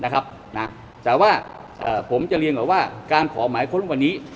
แต่ว่าผมจะเรียนก่อนว่าการขอหมายค้นวันนี้